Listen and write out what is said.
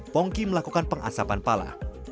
pongki melakukan pengasapan pala